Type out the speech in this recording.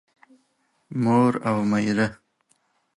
مور او مېره